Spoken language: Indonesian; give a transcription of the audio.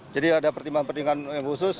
jadi ada pertimbangan pertimbangan yang khusus